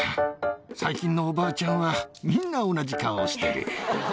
最近のおばあちゃんはみんな同じ顔をしている。